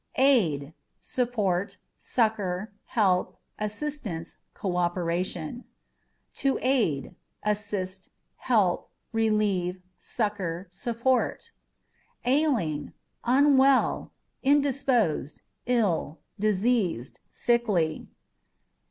Aid â€" support, succour, help, assistance, co operation. To Aid â€" assist, help, relieve, succour, support. Ailing â€" unwell, indisposed, ill, diseased, sickly.